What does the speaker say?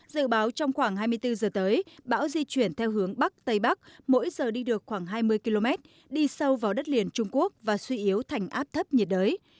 dự báo trong khoảng hai mươi bốn giờ tới bão di chuyển theo hướng bắc tây bắc mỗi giờ đi được khoảng hai mươi km đi sâu vào đất liền trung quốc và suy yếu thành áp thấp nhiệt đới